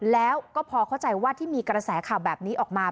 แล้วก็พอเข้าใจว่าที่มีกระแสข่าวแบบนี้ออกมา